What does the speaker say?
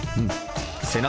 背中。